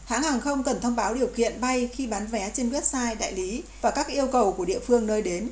hãng hàng không cần thông báo điều kiện bay khi bán vé trên website đại lý và các yêu cầu của địa phương nơi đến